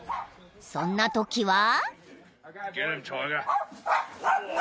［そんなときは］